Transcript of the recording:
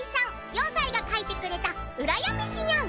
４歳が描いてくれたうらや飯ニャン。